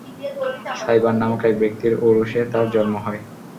সায়বান নামক এক ব্যক্তির ঔরসে তার জন্ম হয়।